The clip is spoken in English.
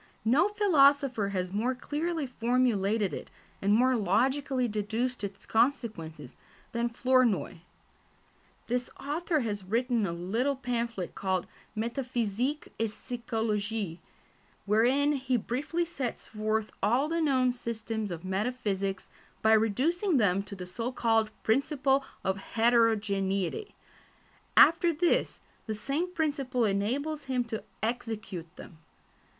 No philosopher has more clearly formulated it, and more logically deduced its consequences, than Flournoy. This author has written a little pamphlet called Métaphysique et Psychologie, wherein he briefly sets forth all the known systems of metaphysics by reducing them to the so called principle of heterogeneity; after this, the same principle enables him to "execute" them.